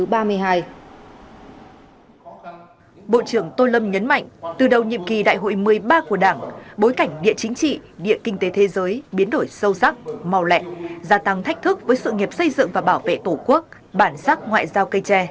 bộ trưởng tô lâm nhấn mạnh từ đầu nhiệm kỳ đại hội một mươi ba của đảng bối cảnh địa chính trị địa kinh tế thế giới biến đổi sâu sắc màu lẹ gia tăng thách thức với sự nghiệp xây dựng và bảo vệ tổ quốc bản sắc ngoại giao cây tre